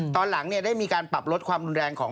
ตอนหลังได้มีการปรับลดความรุนแรงของ